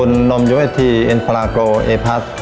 ทางโรงเรียนยังได้จัดซื้อหม้อหุงข้าวขนาด๑๐ลิตร